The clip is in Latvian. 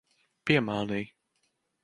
Piemānīji.